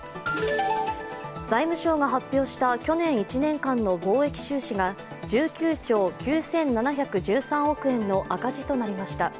財務省が発表した去年１年間の貿易収支が１９兆９７１３億円の赤字となりました。